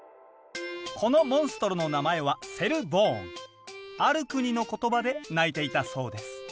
このモンストロの名前はある国の言葉で鳴いていたそうです